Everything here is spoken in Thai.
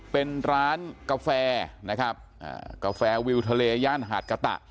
เป็นร้านกาแฟนะครับกาแฟวิวทะเลย่านหาดกะตะ